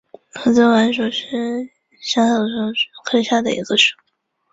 刺子莞属是莎草科下的一个属。